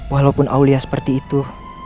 walaupun aulia seperti itu